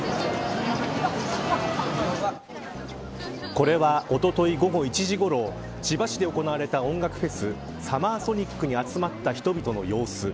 これは、おととい午後１時ごろ千葉市で行われた音楽フェスサマーソニックに集まった人々の様子。